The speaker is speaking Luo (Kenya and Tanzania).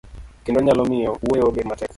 kendo nyalo miyo wuoyo obed matek.